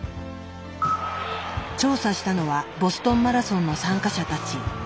調査したのはボストンマラソンの参加者たち。